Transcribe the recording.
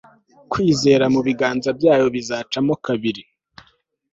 kwizera mu biganza byabo bizacamo kabiri